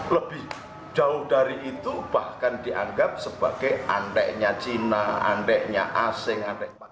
lebih jauh dari itu bahkan dianggap sebagai aneknya cina aneknya asing